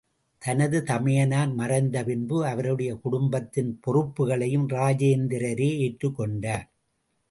தனது தமையனார் மறைந்த பின்பு அவருடைய குடும்பத்தின் பொறுப்புகளையும் இராஜேந்திரரே ஏற்றுக் கொண்டார்.